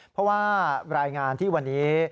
เพราะว่ารายงานที่วันนี้